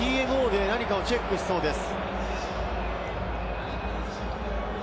ＴＭＯで何かをチェックしそうです。